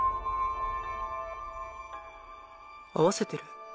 合わせてる？